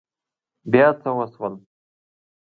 بيا څه وشول؟